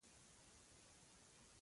د شبکې جوړولو لپاره نور مواد هم شته.